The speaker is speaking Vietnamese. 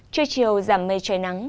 trưa chiều giảm mây trời nắng